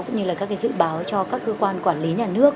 cũng như là các dự báo cho các cơ quan quản lý nhà nước